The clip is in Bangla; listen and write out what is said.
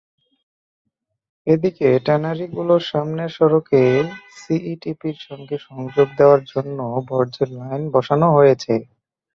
এদিকে ট্যানারিগুলোর সামনের সড়কে সিইটিপির সঙ্গে সংযোগ দেওয়ার জন্য বর্জ্যের লাইন বসানো হয়েছে।